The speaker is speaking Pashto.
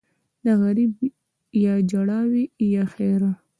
ـ د غريب يا ژړا وي يا ښېرا.